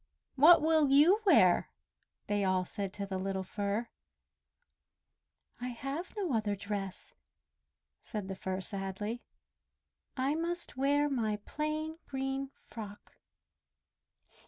"What will you wear?" they all said to the little Fir. "I have no other dress!" said the Fir sadly. "I must wear my plain green frock."